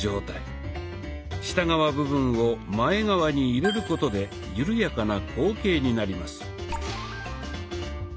下側部分を前側に入れることで緩やかな後傾になります。